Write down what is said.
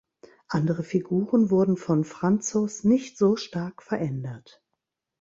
Andere Figuren wurden von Franzos nicht so stark verändert.